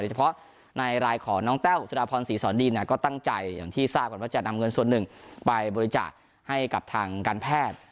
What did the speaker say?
เฉพาะในรายของน้องแต้วสุดาพรศรีสอนดีนก็ตั้งใจอย่างที่ทราบกันว่าจะนำเงินส่วนหนึ่งไปบริจาคให้กับทางการแพทย์